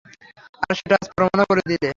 আর সেটা আজ প্রমাণও করে দিলে।